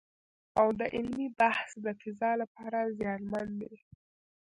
او د علمي بحث د فضا لپاره زیانمن دی